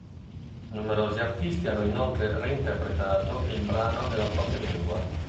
Numerosi artisti hanno inoltre reinterpretato il brano nella propria lingua.